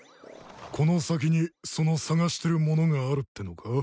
この先にそのさがしてるものがあるってのか？